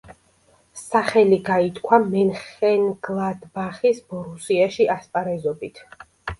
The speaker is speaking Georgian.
სახელი გაითქვა მენხენგლადბახის ბორუსიაში ასპარეზობით.